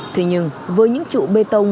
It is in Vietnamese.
thế nhưng với những trụ bê tông